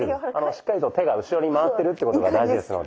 しっかりと手が後ろに回ってるっていうことが大事ですので。